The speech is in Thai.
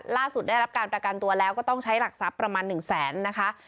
ได้รับการประกันตัวแล้วก็ต้องใช้หลักทรัพย์ประมาณ๑แสนนะคะ